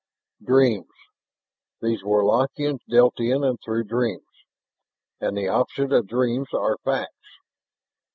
Dreams, these Warlockians dealt in and through dreams. And the opposite of dreams are facts!